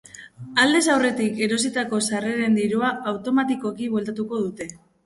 Aldez aurretik erositako sarreren dirua automatikoki bueltatuko dute.